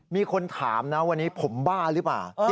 มีคนถามนะวันนี้ผมบ้าหรือเปล่า